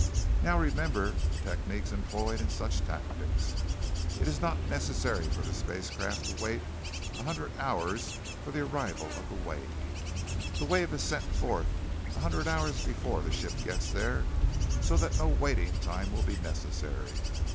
"Now, remember the techniques employed in such tactics. It is not necessary for the spacecraft to wait a hundred hours for the arrival of the wave. The wave is sent forth a hundred hours before the ship gets there so that no waiting time will be necessary.